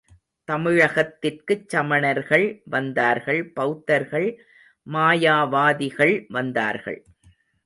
தமிழகத்திற்குச் சமணர்கள் வந்தார்கள் பெளத்தர்கள் மாயாவாதிகள் வந்தார்கள்.